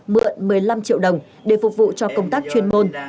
mượn một mươi năm triệu đồng để phục vụ cho công tác chuyên môn